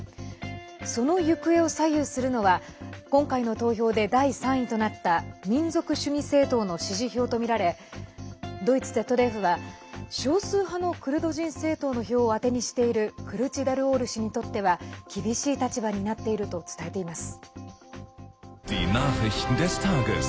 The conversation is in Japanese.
その行方を左右するのは今回の投票で第３位となった民族主義政党の支持票とみられドイツＺＤＦは少数派のクルド人政党の票を当てにしているクルチダルオール氏にとっては厳しい立場になっていると伝えています。